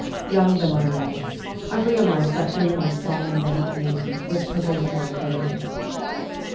Young though I was, I realized that feeling of solemn resignation which pervaded our villages.